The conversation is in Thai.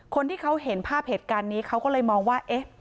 คนที่เขาเห็นภาพเหตุการณ์นี้เขาก็เลยมองว่าเอ๊ะ